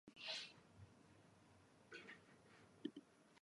Higher levels have fewer and fewer nodes.